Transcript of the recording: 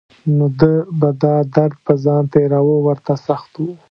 نو ده به دا درد په ځان تېراوه ورته سخت و.